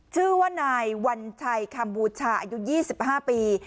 ชื่อว่านายวันชัยคัมพูชาอายุยี่สิบห้าปี